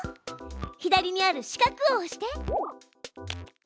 左にある四角を押して。